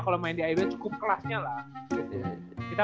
kalau main di ibl cukup kelasnya lah